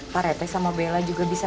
pak rete sama bella juga bisa